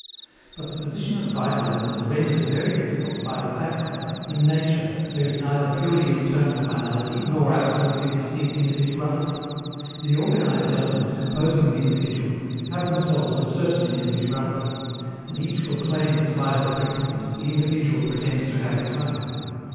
But the position of vitalism is rendered very difficult by the fact that, in nature, there is neither purely internal finality nor absolutely distinct individuality. The organized elements composing the individual have themselves a certain individuality, and each will claim its vital principle if the individual pretends to have its own.